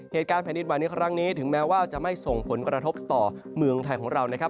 เหตุการณ์แผ่นดินไหวในครั้งนี้ถึงแม้ว่าจะไม่ส่งผลกระทบต่อเมืองไทยของเรานะครับ